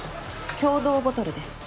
共同ボトルです。